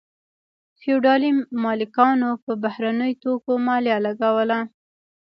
فیوډالي مالکانو په بهرنیو توکو مالیه لګوله.